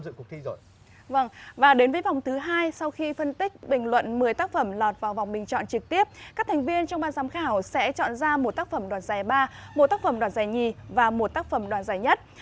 và đến với vòng thứ hai sau khi phân tích bình luận một mươi tác phẩm lọt vào vòng bình chọn trực tiếp các thành viên trong ban giám khảo sẽ chọn ra một tác phẩm đoạt giải ba một tác phẩm đoạt giải nhì và một tác phẩm đoạt giải nhất